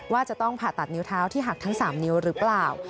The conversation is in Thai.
ว่าจะต้องผ่าตัดนิ้วเท้าที่หักทั้ง๓นิ้วหรือเปล่า